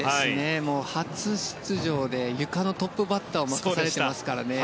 初出場でゆかのトップバッターを任されていますからね。